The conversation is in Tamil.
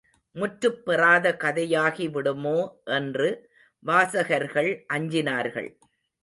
முற்றுப் பெறாத கதையாகி விடுமோ என்று வாசகர்கள் அஞ்சினார்கள்.